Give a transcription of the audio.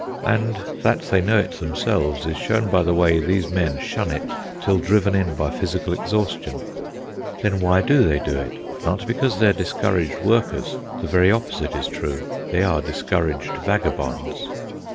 And that they know it themselves is shown by the way these men shun it till driven in by physical exhaustion. Then why do they do it? Not because they are discouraged workers. The very opposite is true; they are discouraged vagabonds.